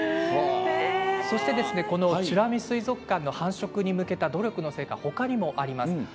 そして美ら海水族館の繁殖に向けた努力の成果、ほかにもあります。